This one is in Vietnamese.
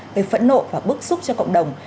về phẫn nộ và bức xúc cho cộng đồng